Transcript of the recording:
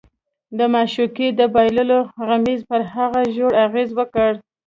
د معشوقې د بایللو غمېزې پر هغه ژور اغېز وکړ